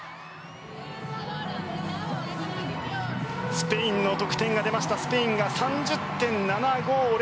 スペインの得点が出ましたスペインが３０．７５０。